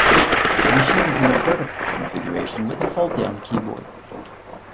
This machine was in a vertical configuration with a fold down keyboard.